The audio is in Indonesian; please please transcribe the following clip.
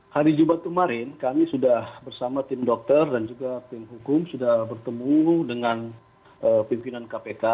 hari jumat kemarin kami sudah bersama tim dokter dan juga tim hukum sudah bertemu dengan pimpinan kpk